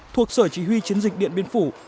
thuộc sở chỉ huy chiến dịch điện biên phủ